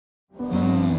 うん。